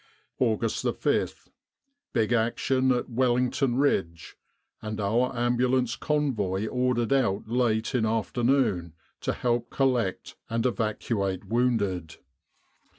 "August 5th. Big action at Wellington Ridge, and our Ambulance Convoy ordered out late in after noon to help collect and evacuate wounded.